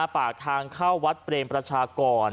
ปากทางเข้าวัดเปรมประชากร